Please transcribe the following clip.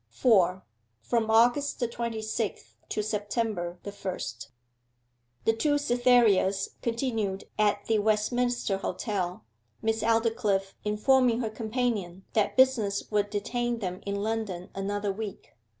4. FROM AUGUST THE TWENTY SIXTH TO SEPTEMBER THE FIRST The two Cythereas continued at the Westminster Hotel, Miss Aldclyffe informing her companion that business would detain them in London another week.